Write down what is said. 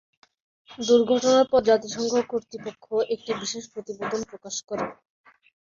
দূর্ঘটনার পর জাতিসংঘ কর্তৃপক্ষ একটি বিশেষ প্রতিবেদন প্রকাশ করে।